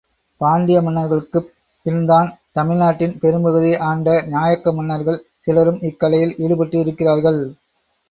பாண்டிய மன்னர்களுக்குப் பின்புதான் தமிழ் நாட்டின் பெரும் பகுதியை ஆண்ட நாயக்க மன்னர்கள் சிலரும் இக்கலையில் ஈடுபட்டிருக்கிறார்கள்.